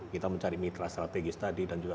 kita mencari mitra strategis tadi dan juga